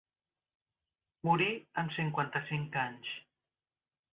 Morí amb cinquanta-cinc anys.